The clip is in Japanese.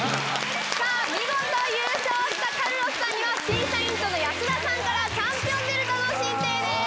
見事優勝したカルロスさんには審査委員長の安田さんからチャンピオンベルトの進呈です。